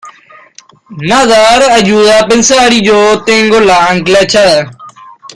nadar ayuda a pensar y yo tengo el ancla echada.